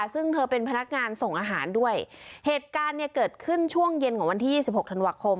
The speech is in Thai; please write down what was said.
ซึ่งเธอเป็นพนักงานส่งอาหารด้วยเหตุการณ์เนี่ยเกิดขึ้นช่วงเย็นของวันที่ยี่สิบหกธันวาคม